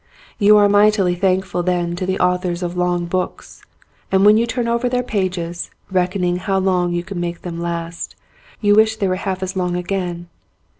You are mightily thankful then to the authors of long books and when you turn over their pages, reckon ing how long you can make them last, you wish they were half as long again.